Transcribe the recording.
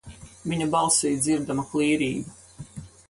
Viņa balsī dzirdama klīrība.